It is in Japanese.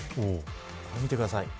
見てください。